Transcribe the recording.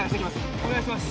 お願いします